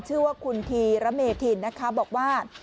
ชื่อว่าคุณธีระเมธินนะคะบอกว่า